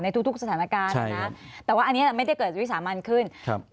ทุกทุกสถานการณ์นะนะแต่ว่าอันนี้ไม่ได้เกิดวิสามันขึ้นครับ